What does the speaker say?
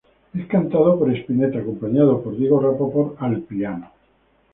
Es cantado por Spinetta acompañado por Diego Rapoport en piano.